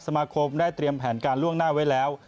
สมาคมได้เตรียมแผนการล่วงหน้าไว้แล้ว